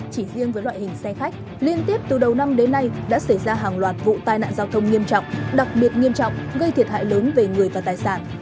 chỉ riêng với loại hình xe khách liên tiếp từ đầu năm đến nay đã xảy ra hàng loạt vụ tai nạn giao thông nghiêm trọng đặc biệt nghiêm trọng gây thiệt hại lớn về người và tài sản